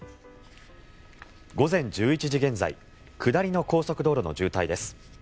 午前１１時現在下りの高速道路の渋滞です。